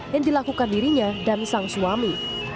yang dilakukan dirinya dan sang suami